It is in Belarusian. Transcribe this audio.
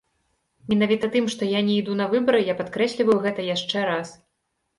Менавіта тым, што я не іду на выбары, я падкрэсліваю гэта яшчэ раз.